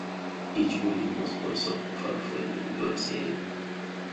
Each volume was also offered for individual sale.